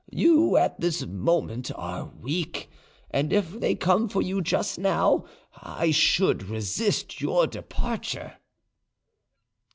You at this moment are weak, and if they come for you just now I should resist your departure."